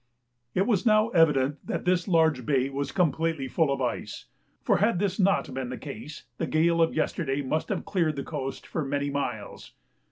It was now evident that this large bay was completely full of ice; for had this not been the case, the gale of yesterday must have cleared the coast for many miles.